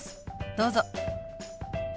どうぞ。